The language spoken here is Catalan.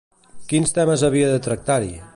Quins temes havia de tractar-hi?